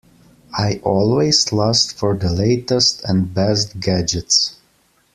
I always lust for the latest and best gadgets.